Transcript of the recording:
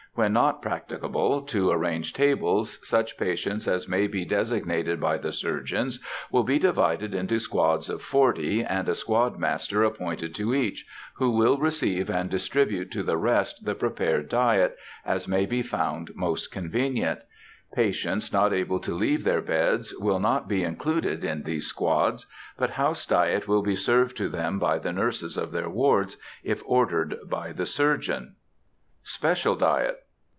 When not practicable to arrange tables, such patients as may be designated by the surgeons will be divided into squads of forty, and a squad master appointed to each, who will receive and distribute to the rest the prepared diet, as may be found most convenient. Patients not able to leave their beds will not be included in these squads, but house diet will be served to them by the nurses of their wards, if ordered by the surgeon. SPECIAL DIET.